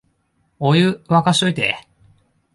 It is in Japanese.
お湯、沸かしといて